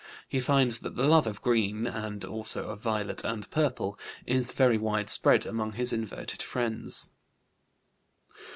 He finds that the love of green (and also of violet and purple) is very widespread among his inverted friends.